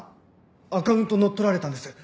アカウント乗っ取られたんです。